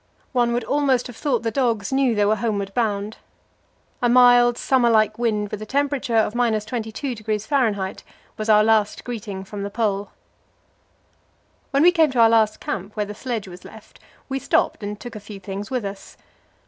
One would almost have thought the dogs knew they were homeward bound. A mild, summer like wind, with a temperature of 22° F., was our last greeting from the Pole. When we came to our last camp, where the sledge was left, we stopped and took a few things with us.